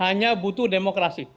hanya butuh demokrasi